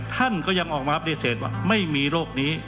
ท่านก็ยังออกมาปฏิเสธว่าไม่มีโรคนี้